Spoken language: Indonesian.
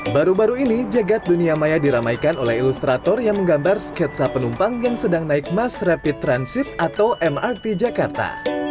baru baru ini jagad dunia maya diramaikan oleh ilustrator yang menggambar sketsa penumpang yang sedang naik mass rapid transit atau mrt jakarta